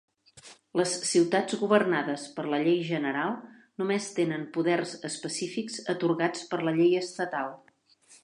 Les ciutats governades per la llei general només tenen poders específics atorgats per la llei estatal.